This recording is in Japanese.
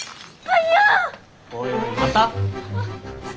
はい！